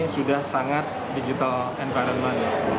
sudah sangat digital environment